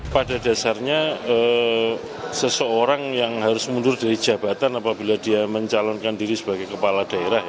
pada dasarnya seseorang yang harus mundur dari jabatan apabila dia mencalonkan diri sebagai kepala daerah